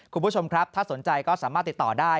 คุณผู้ชมครับถ้าสนใจก็สามารถติดต่อได้